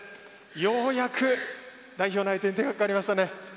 ようやく代表内定に手がかかりましたね。